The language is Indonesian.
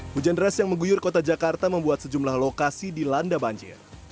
hujan deras yang mengguyur kota jakarta membuat sejumlah lokasi dilanda banjir